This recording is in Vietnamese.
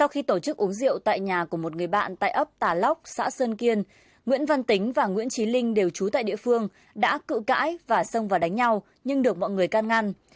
khi tổ chức uống rượu tại nhà của một người bạn tại ấp tà lóc xã sơn kiên nguyễn văn tính và nguyễn trí linh đều trú tại địa phương đã cự cãi và xông vào đánh nhau nhưng được mọi người can ngăn